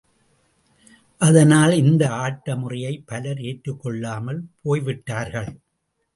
அதனால், இந்த ஆட்ட முறையை பலர் ஏற்றுக் கொள்ளாமல் போய்விட்டார்கள்.